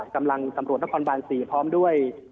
กำลังตำรวจนครบาน๔พร้อมด้วย